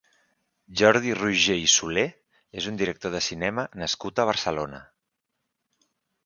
Jordi Roigé i Solé és un director de cinema nascut a Barcelona.